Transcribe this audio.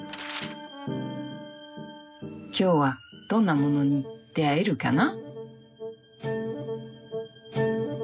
今日はどんなものに出会えるかな。